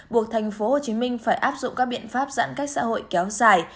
buộc tp hcm phải áp dụng các biện pháp giãn cách xã hội kéo dài